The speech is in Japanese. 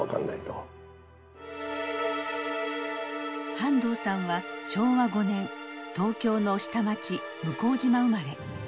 半藤さんは昭和５年東京の下町・向島生まれ。